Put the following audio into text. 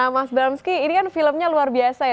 mas bramski ini kan filmnya luar biasa ya